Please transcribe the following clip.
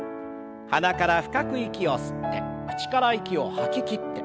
鼻から深く息を吸って口から息を吐ききって。